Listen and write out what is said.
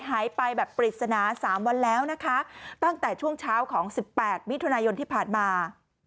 หายไปแบบปริศนา๓วันแล้วนะคะตั้งแต่ช่วงเช้าของสิบแปดมิถุนายนที่ผ่านมา